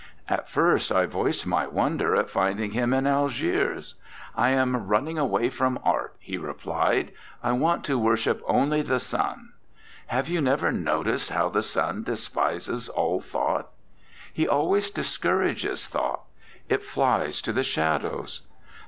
At first I voiced my wonder at finding him in Algiers. "I am running away 42 ANDRE GIDE from art," he replied, "I want to wor ship only the sun. ... Have you never noticed how the sun despises all thought? He always discourages thought; it flies to the shadows.